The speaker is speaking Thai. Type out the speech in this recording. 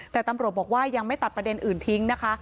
แต่ตำรวจบอกว่ายังไม่ตัดประเด็นอื่นทิ้งนะคะ